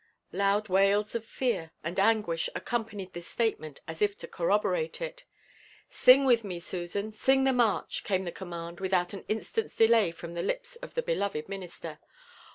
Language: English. Loud wails of fear and anguish accompanied this statement, as if to corroborate it. "Sing with me, Susan, sing the march," came the command without an instant's delay from the lips of the beloved Minister.